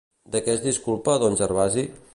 De què es disculpa don Gervasi?